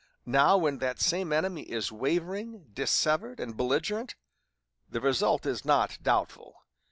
now, when that same enemy is wavering, dissevered, and belligerent? The result is not doubtful.